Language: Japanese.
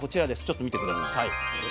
ちょっと見て下さい。